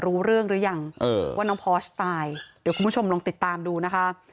รู้เรื่องหรือยังว่าน้องพอสตายเดี๋ยวคุณผู้ชมลองติดตามดูนะคะ